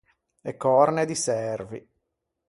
E còrne di çervi.